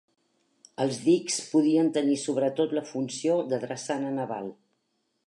Els dics podien tenir sobretot la funció de drassana naval.